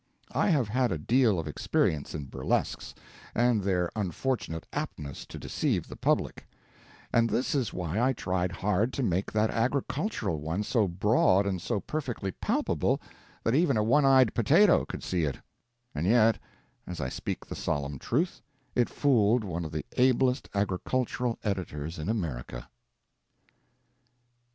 I have had a deal of experience in burlesques and their unfortunate aptness to deceive the public, and this is why I tried hard to make that agricultural one so broad and so perfectly palpable that even a one eyed potato could see it; and yet, as I speak the solemn truth, it fooled one of the ablest agricultural editors in America!